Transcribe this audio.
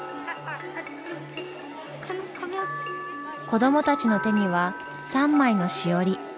子どもたちの手には３枚のしおり。